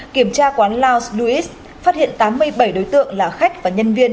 kiểm tra quán lào louis phát hiện tám mươi bảy đối tượng là khách và nhân viên